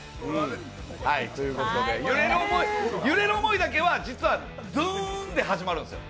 「揺れる想い」だけは実はドゥーンで始まるんですよ。